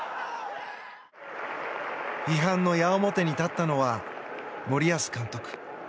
批判の矢面に立ったのは森保監督。